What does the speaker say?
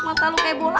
mata lu kayak bola